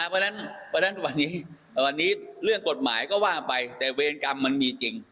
เพราะฉะนั้นวันนี้เรื่องกฎหมายก็ว่าไปแต่เวรกรรมมันมีจริง